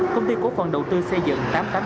công ty cổ phần đầu tư xây dựng tám trăm tám mươi